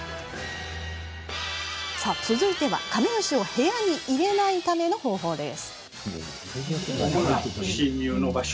続いて、カメムシを部屋に入れないための方法です。